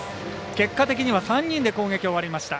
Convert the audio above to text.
結果的には３人で攻撃を終わりました。